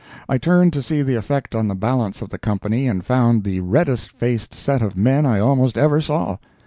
I turned to see the effect on the balance of the company and found the reddest faced set of men I almost ever saw.